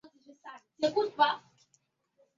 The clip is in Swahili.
hali ya kuwa vilikuwa vikituniwa kuzungumzia